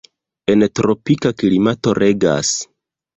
En tropika klimato regas.